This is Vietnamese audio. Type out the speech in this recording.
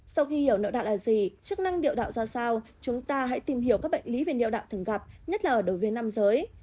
sau khi hiểu niệu đạo là gì chức năng niệu đạo ra sao chúng ta hãy tìm hiểu các bệnh lý về niệu đạo thường gặp nhất là ở đối với nam giới